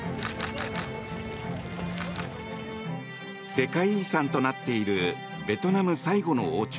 世界遺産となっているベトナム最後の王朝